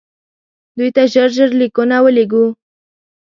دوی ته ژر ژر لیکونه ولېږو.